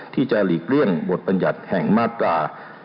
ที่จะหลีกเลี่ยงบทบัญญัติแห่งมาตรา๑๕